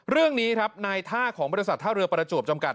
เรื่องนี้ครับนายท่าของบริษัทท่าเรือประจวบจำกัด